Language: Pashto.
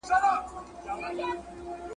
ستا کردار ښیي چي څومره مسلمان یې